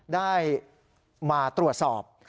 ได้มาตรวจสอบ